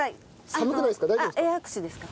寒くないですか？